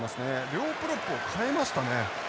両プロップを代えましたね。